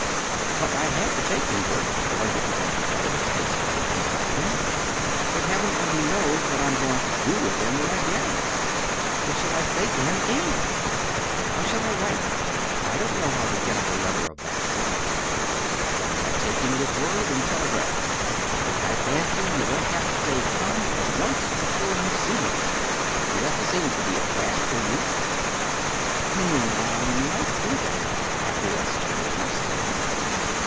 "But I had to take him, Bert," argued the elder brother, his face growing anxious again. "But Heaven only knows what I'm going to do with him when I get him. What shall I say to him, anyway? How shall I write? I don't know how to get up a letter of that sort!" "Why not take him at his word and telegraph? I fancy you won't have to say 'come' but once before you see him. He doesn't seem to be a bashful youth." "Hm m; I might do that," acquiesced William, slowly.